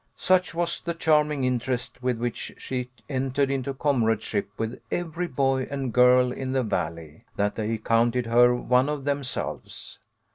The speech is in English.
Such was the charming interest with which she entered into comradeship with every boy and girl in the Valley, that they counted her one of them selves.